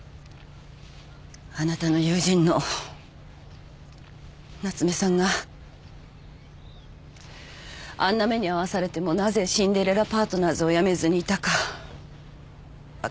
あなたの友人の夏目さんがあんな目に遭わされてもなぜシンデレラパートナーズを辞めずにいたか分かりますか？